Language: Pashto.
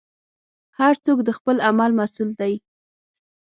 هر څوک د خپل عمل مسوول دی.